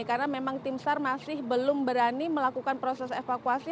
karena memang tim sar masih belum berani melakukan proses evakuasi